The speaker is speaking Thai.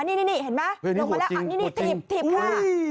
นี่นี่นี่เห็นไหมลงมาแล้วอ่ะนี่นี่ถีบถีบค่ะอุ้ย